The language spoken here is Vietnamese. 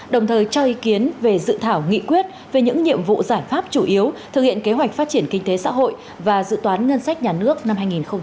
đồng thời cho ý kiến về dự thảo nghị quyết về những nhiệm vụ giải pháp chủ yếu thực hiện kế hoạch phát triển kinh tế xã hội và dự toán ngân sách nhà nước năm hai nghìn hai mươi